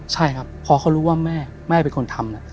ใช่ครับพอเขารู้ว่าแม่แม่เป็นคนทำ